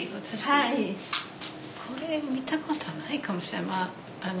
私これ見たことないかもしれない。